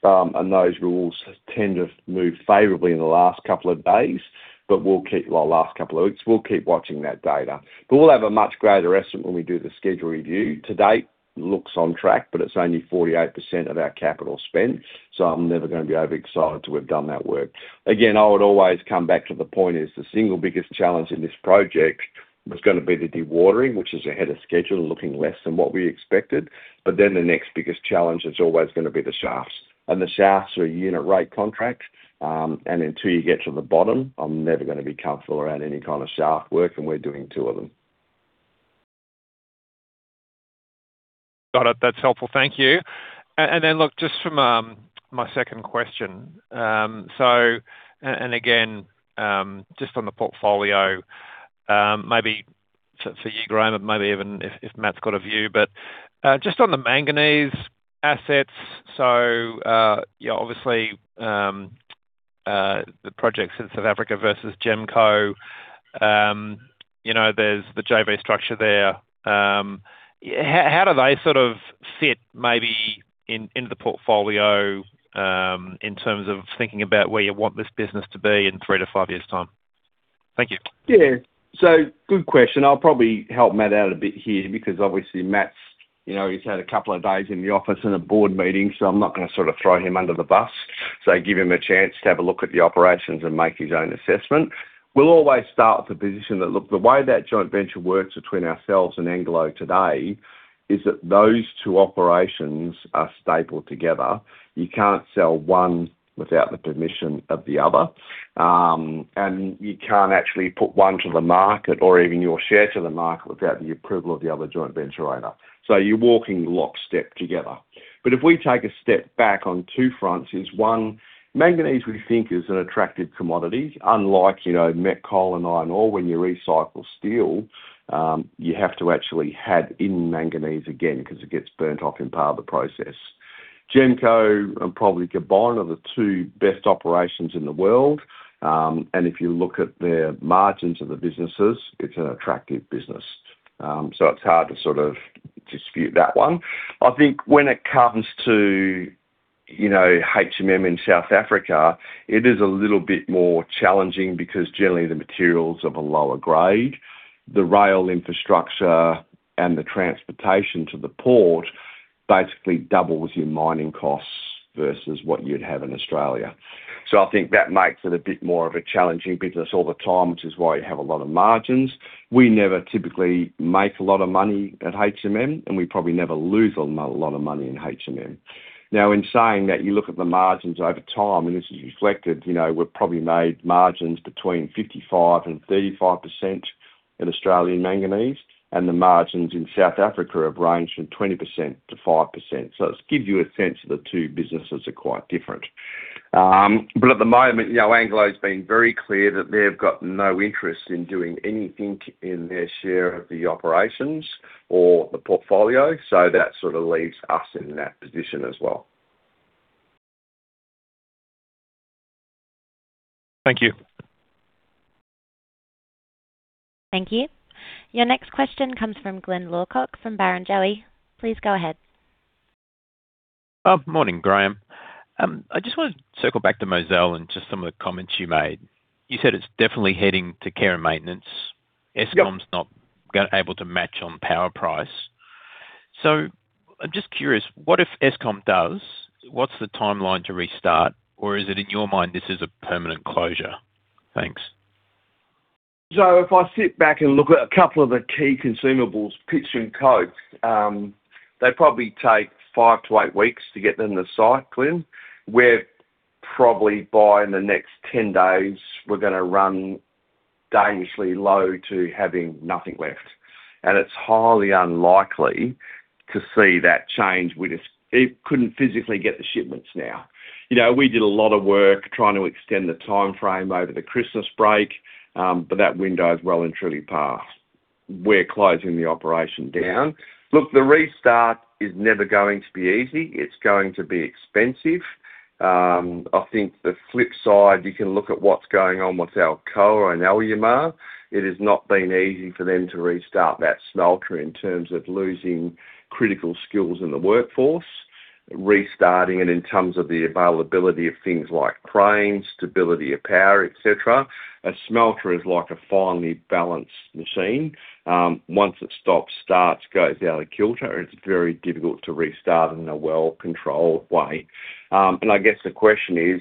and those rules tend to move favorably in the last couple of days, but we'll keep watching that data. Well, last couple of weeks, we'll keep watching that data. But we'll have a much greater estimate when we do the schedule review. To date, looks on track, but it's only 48% of our capital spend, so I'm never gonna be overexcited to have done that work. Again, I would always come back to the point, is the single biggest challenge in this project was gonna be the dewatering, which is ahead of schedule, looking less than what we expected. But then the next biggest challenge is always gonna be the shafts. And the shafts are unit rate contracts. And until you get to the bottom, I'm never gonna be comfortable around any kind of shaft work, and we're doing two of them. Got it. That's helpful. Thank you. And then, look, just from my second question, so, and, and again, just on the portfolio, maybe so for you, Graham, and maybe even if Matt's got a view, but just on the manganese assets. So, yeah, obviously, the projects in South Africa versus GEMCO, you know, there's the JV structure there. How do they sort of fit maybe in the portfolio, in terms of thinking about where you want this business to be in three to five years' time? Thank you. Yeah. So good question. I'll probably help Matt out a bit here because obviously, Matt, you know, he's had a couple of days in the office and a board meeting, so I'm not gonna sort of throw him under the bus. So give him a chance to have a look at the operations and make his own assessment. We'll always start the position that, look, the way that joint venture works between ourselves and Anglo today, is that those two operations are stapled together. You can't sell one without the permission of the other. And you can't actually put one to the market or even your share to the market without the approval of the other joint venture owner. So you're walking lockstep together. But if we take a step back on two fronts, is one, manganese, we think, is an attractive commodity, unlike, you know, met coal and iron ore. When you recycle steel, you have to actually have in manganese again, 'cause it gets burnt off in part of the process. GEMCO and probably Gabon are the two best operations in the world, and if you look at their margins of the businesses, it's an attractive business. So it's hard to sort of dispute that one. I think when it comes to, you know, HMM in South Africa, it is a little bit more challenging because generally the material is of a lower grade. The rail infrastructure and the transportation to the port basically doubles your mining costs versus what you'd have in Australia. So I think that makes it a bit more of a challenging business all the time, which is why you have a lot of margins. We never typically make a lot of money at HMM, and we probably never lose a lot of money in HMM. Now, in saying that, you look at the margins over time, and this is reflected, you know, we've probably made margins between 55%-35% in Australia Manganese, and the margins in South Africa have ranged from 20%-5%. So it gives you a sense that the two businesses are quite different. But at the moment, you know, Anglo's been very clear that they've got no interest in doing anything in their share of the operations or the portfolio, so that sort of leaves us in that position as well. Thank you. Thank you. Your next question comes from Glyn Lawcock, from Barrenjoey. Please go ahead. Morning, Graham. I just want to circle back to Mozal and just some of the comments you made. You said it's definitely heading to care and maintenance. Yep. Eskom's not able to match on power price. So I'm just curious, what if Eskom does? What's the timeline to restart, or is it in your mind, this is a permanent closure? Thanks. So if I sit back and look at a couple of the key consumables, pitch and coke, they probably take five to eight weeks to get them in the site, Glyn. We're probably, by in the next 10 days, we're gonna run dangerously low to having nothing left. And it's highly unlikely to see that change. We just it couldn't physically get the shipments now. You know, we did a lot of work trying to extend the timeframe over the Christmas break, but that window is well and truly passed. We're closing the operation down. Look, the restart is never going to be easy. It's going to be expensive. I think the flip side, you can look at what's going on with Alcoa and Alumar. It has not been easy for them to restart that smelter in terms of losing critical skills in the workforce, restarting it in terms of the availability of things like cranes, stability of power, et cetera. A smelter is like a finely balanced machine. Once it stops, starts, goes out of kilter, it's very difficult to restart in a well-controlled way. And I guess the question is,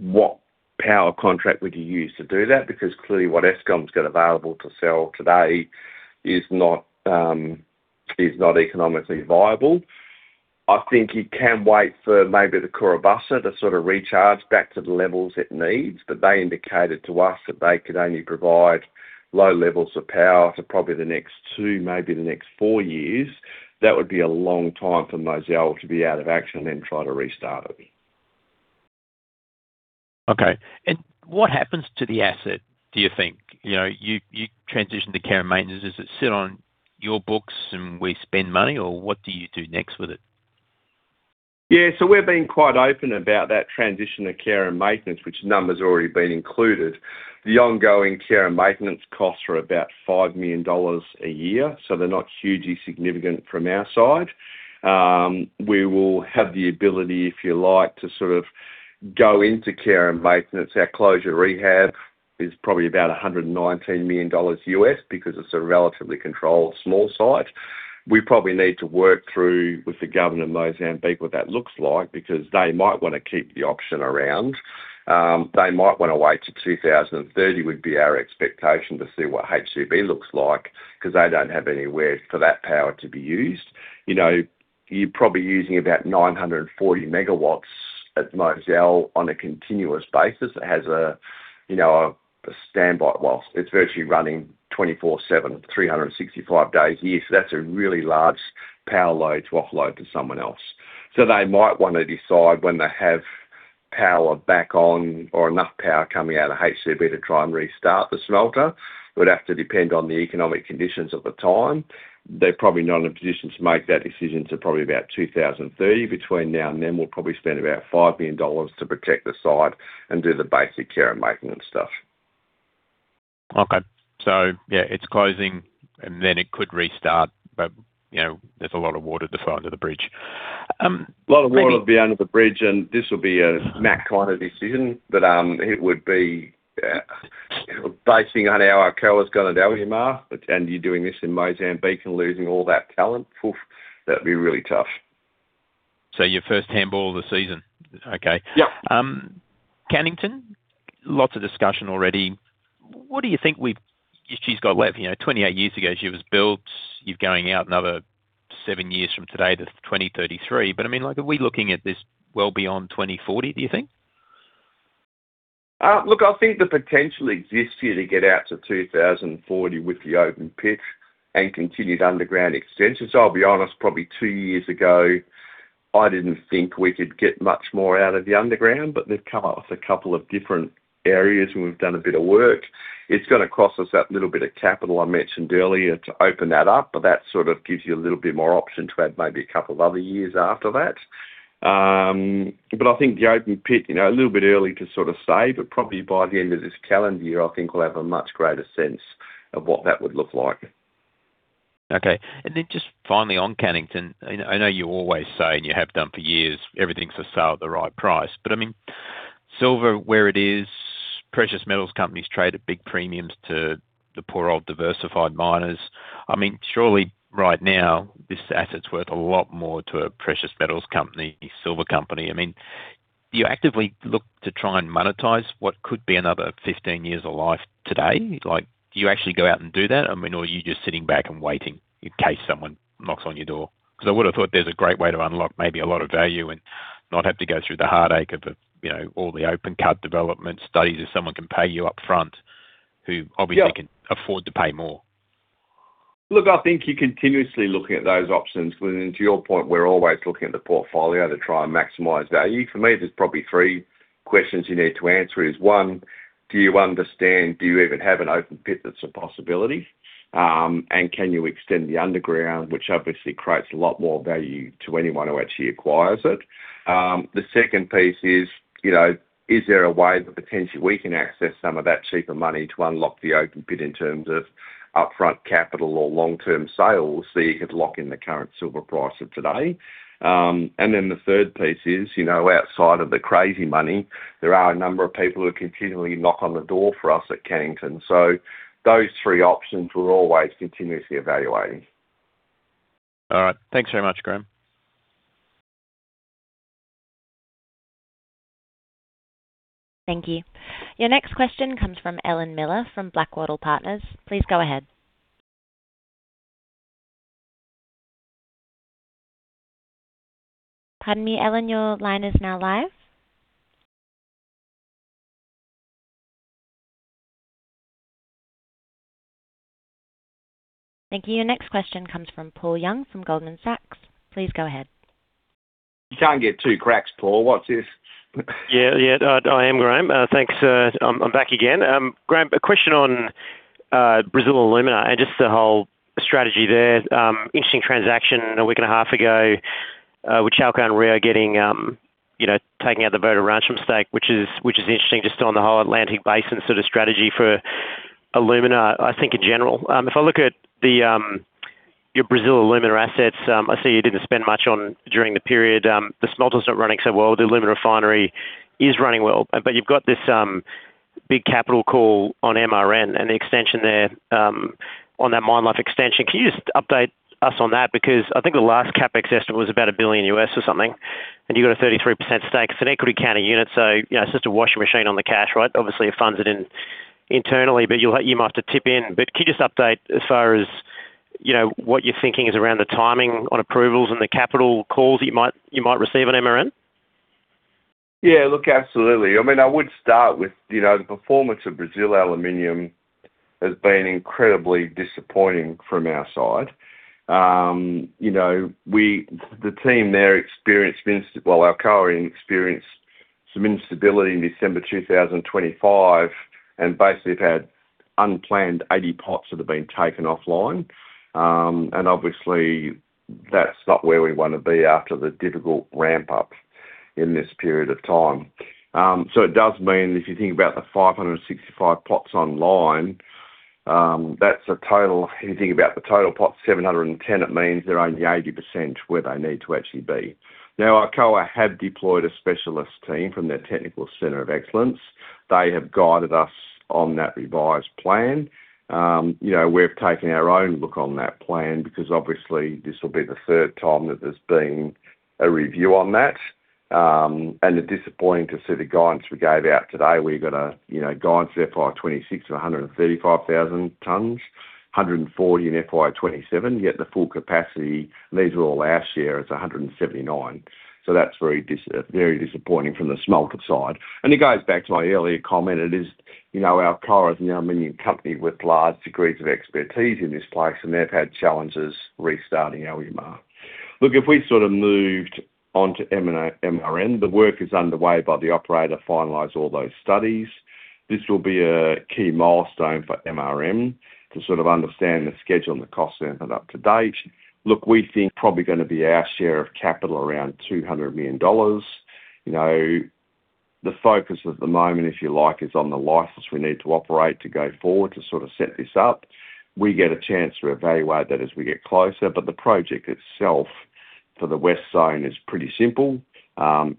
what power contract would you use to do that? Because clearly, what Eskom's got available to sell today is not, is not economically viable. I think you can wait for maybe the Cahora Bassa to sort of recharge back to the levels it needs, but they indicated to us that they could only provide low levels of power to probably the next 2, maybe the next 4 years. That would be a long time for Mozal to be out of action and then try to restart it. Okay. And what happens to the asset, do you think? You know, you transitioned to care and maintenance. Does it sit on your books and we spend money, or what do you do next with it? Yeah, so we're being quite open about that transition to care and maintenance, which numbers have already been included. The ongoing care and maintenance costs are about $5 million a year, so they're not hugely significant from our side. We will have the ability, if you like, to sort of go into care and maintenance. Our closure rehab is probably about $119 million, because it's a relatively controlled small site. We probably need to work through with the government of Mozambique, what that looks like, because they might want to keep the option around. They might want to wait to 2030, would be our expectation to see what HCB looks like, because they don't have anywhere for that power to be used. You know, you're probably using about 940 megawatts at Mozal on a continuous basis. It has a, you know, a standby. Well, it's virtually running 24/7, 365 days a year. So that's a really large power load to offload to someone else. So they might want to decide when they have power back on or enough power coming out of HCB to try and restart the smelter. It would have to depend on the economic conditions at the time. They're probably not in a position to make that decision to probably about 2030. Between now and then, we'll probably spend about $5 million to protect the site and do the basic care and maintenance stuff. Okay. So yeah, it's closing, and then it could restart, but you know, there's a lot of water to fall under the bridge. A lot of water will be under the bridge, and this will be a Matt kind of decision, but it would be basing on how our coworkers going to tell him, but and you're doing this in Mozambique and losing all that talent, poof! That'd be really tough. Your first handball of the season? Okay. Yep. Cannington, lots of discussion already. What do you think we'veshe's got, what? You know, 28 years ago, she was built. You're going out another seven years from today to 2033. But, I mean, like, are we looking at this well beyond 2040, do you think? Look, I think the potential exists for you to get out to 2040 with the open pit and continued underground extensions. I'll be honest, probably 2 years ago, I didn't think we could get much more out of the underground, but they've come off a couple of different areas, and we've done a bit of work. It's gonna cost us that little bit of capital I mentioned earlier, to open that up, but that sort of gives you a little bit more option to add maybe a couple other years after that. But I think the open pit, you know, a little bit early to sort of say, but probably by the end of this calendar year, I think we'll have a much greater sense of what that would look like. Okay. And then just finally, on Cannington, I know you always say, and you have done for years, everything's for sale at the right price. But, I mean, silver, where it is, precious metals companies trade at big premiums to the poor old diversified miners. I mean, surely right now, this asset's worth a lot more to a precious metals company, silver company. I mean, do you actively look to try and monetize what could be another 15 years of life today? Like, do you actually go out and do that? I mean, or are you just sitting back and waiting in case someone knocks on your door? Because I would have thought there's a great way to unlock maybe a lot of value and not have to go through the heartache of the, you know, all the open cut development studies, if someone can pay you up front, who obviously- Yeah. can afford to pay more. Look, I think you're continuously looking at those options. And to your point, we're always looking at the portfolio to try and maximize value. For me, there's probably three questions you need to answer is: One, do you understand, do you even have an open pit that's a possibility? And can you extend the underground, which obviously creates a lot more value to anyone who actually acquires it. The second piece is, you know, is there a way that potentially we can access some of that cheaper money to unlock the open pit in terms of upfront capital or long-term sales, so you could lock in the current silver price of today. And then the third piece is, you know, outside of the crazy money, there are a number of people who continually knock on the door for us at Cannington. So those three options, we're always continuously evaluating. All right. Thanks very much, Graham. Thank you. Your next question comes from Ellen Miller, from Blackwattle Partners. Please go ahead. Pardon me, Ellen, your line is now live. Thank you. Your next question comes from Paul Young, from Goldman Sachs. Please go ahead. You can't get two cracks, Paul. What's this? Yeah, yeah, I am, Graham. Thanks. I'm back again. Graham, a question on Brazil Alumina and just the whole strategy there. Interesting transaction a week and a half ago, with Chalco and Rio getting, you know, taking out the Votorantim stake, which is interesting just on the whole Atlantic Basin sort of strategy for alumina, I think in general. If I look at your Brazil alumina assets, I see you didn't spend much on during the period. The smelter's not running so well, the alumina refinery is running well, but you've got this big capital call on MRN and the extension there, on that mine life extension. Can you just update us on that? Because I think the last CapEx estimate was about $1 billion or something, and you got a 33% stake. It's an equity county unit, so, you know, it's just a washing machine on the cash, right? Obviously, it funds it in internally, but you'll, you might have to tip in. But can you just update as far as, you know, what you're thinking is around the timing on approvals and the capital calls you might, you might receive on MRN? Yeah, look, absolutely. I mean, I would start with, you know, the performance of Brazil Aluminium has been incredibly disappointing from our side. You know, we the team there experienced instability. Well, our co experienced some instability in December 2025, and basically had unplanned 80 pots that have been taken offline. And obviously, that's not where we want to be after the difficult ramp-up in this period of time. So it does mean if you think about the 565 pots online, that's a total if you think about the total pots, 710, it means they're only 80% where they need to actually be. Now, Alcoa have deployed a specialist team from their technical center of excellence. They have guided us on that revised plan. You know, we've taken our own look on that plan because obviously this will be the third time that there's been a review on that. And it's disappointing to see the guidance we gave out today. We've got a, you know, guidance FY 2026 to 135,000 tons, 140 in FY 2027, yet the full capacity, these are all our share, is 179. So that's very disappointing from the smelter side. And it goes back to my earlier comment. It is, you know, Alcoa is now a mining company with large degrees of expertise in this place, and they've had challenges restarting Alumar. Look, if we sort of moved on to M&A, MRN, the work is underway by the operator to finalize all those studies. This will be a key milestone for MRN to sort of understand the schedule and the cost and up to date. Look, we think probably gonna be our share of capital around $200 million. You know, the focus at the moment, if you like, is on the license we need to operate to go forward to sort of set this up. We get a chance to evaluate that as we get closer, but the project itself for the west zone is pretty simple.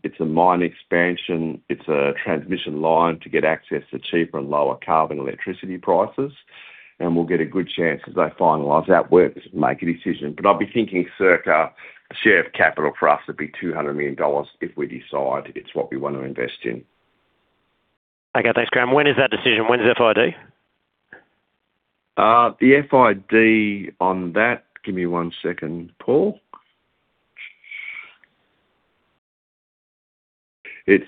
It's a mine expansion, it's a transmission line to get access to cheaper and lower carbon electricity prices, and we'll get a good chance as they finalize that work to make a decision. But I'd be thinking circa a share capital for us would be $200 million if we decide it's what we want to invest in. Okay, thanks, Graham. When is that decision? When is FID? The FID on that, give me one second, Paul. It's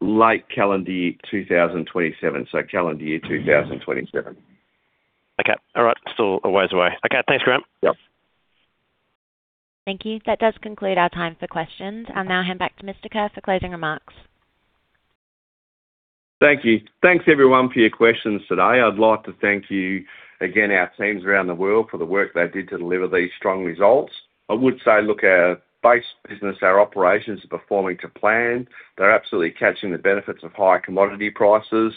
late calendar year 2027, so calendar year 2027. Okay. All right. Still a ways away. Okay, thanks, Graham. Yep. Thank you. That does conclude our time for questions. I'll now hand back to Mr. Kerr for closing remarks. Thank you. Thanks everyone for your questions today. I'd like to thank you again, our teams around the world for the work they did to deliver these strong results. I would say, look, our base business, our operations are performing to plan. They're absolutely catching the benefits of higher commodity prices.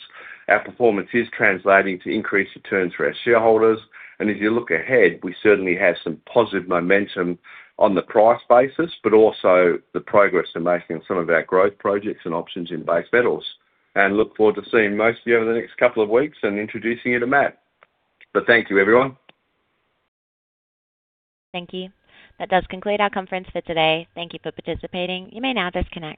Our performance is translating to increased returns for our shareholders. And as you look ahead, we certainly have some positive momentum on the price basis, but also the progress we're making on some of our growth projects and options in base metals. And look forward to seeing most of you over the next couple of weeks and introducing you to Matt. But thank you, everyone. Thank you. That does conclude our conference for today. Thank you for participating. You may now disconnect.